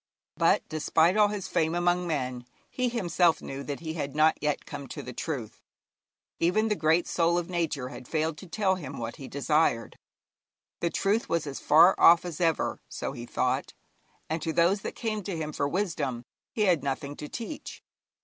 But despite all his fame among men, he himself knew that he had not yet come to the truth. Even the great soul of Nature had failed to tell him what he desired. The truth was as far off as ever, so he thought, and to those that came to him for wisdom he had nothing to teach.